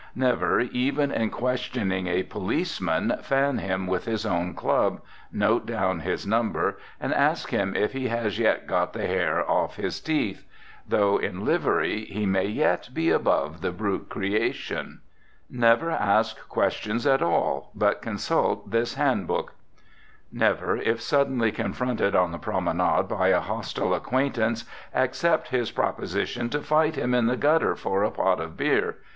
Never, even in questioning a policeman, fan him with his own club, note down his number, and ask him if he has yet got the hair off his teeth. Though in livery, he may yet be above the brute creation. Never ask questions at all, but consult this Hand Book. Never, if suddenly confronted on the promenade by a hostile acquaintance, accept his proposition to fight him in the gutter for a pot of beer.